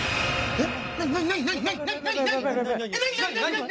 えっ？